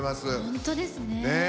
本当ですね。